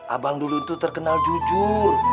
abang dulu itu terkenal jujur